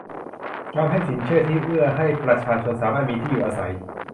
การให้สินเชื่อที่เอื้อให้ประชาชนสามารถมีที่อยู่อาศัย